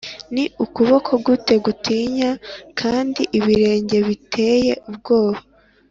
ni ukuboko gute gutinya? kandi ibirenge biteye ubwoba?